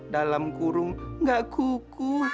dalam kurung gak kuku